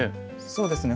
そうですね